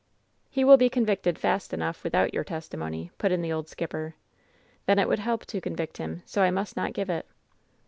"He will be convicted fast enough without your testi mony," put in the old skipper. "Then it would help to convict him, so I must not give it.